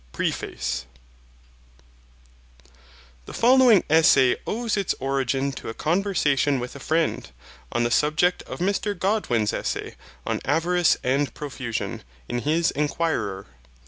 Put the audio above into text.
Preface The following Essay owes its origin to a conversation with a friend, on the subject of Mr Godwin's essay on avarice and profusion, in his Enquirer.